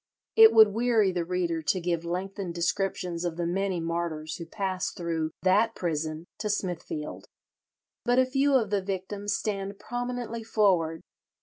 It would weary the reader to give lengthened descriptions of the many martyrs who passed through that prison to Smithfield. But a few of the victims stand prominently forward.